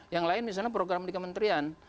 yang lain misalnya program di kementerian